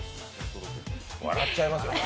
笑っちゃいますよね。